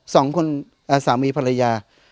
สองคนสามีภรรยา